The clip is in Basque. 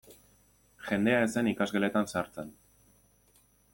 Jendea ez zen ikasgeletan sartzen.